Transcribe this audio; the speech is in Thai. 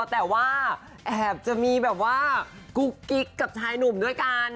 แต่ว่าแอบจะมีแบบว่ากุ๊กกิ๊กกับชายหนุ่มด้วยกัน